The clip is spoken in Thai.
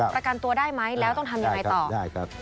ประกันตัวได้ไหมแล้วต้องทำอย่างไรต่อ